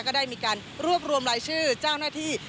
ก็ได้มีการรวบรวมรายชื่อเจ้าหน้าที่